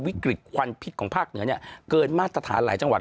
วิกฤตควันพิษของภาคเหนือเนี่ยเกินมาตรฐานหลายจังหวัด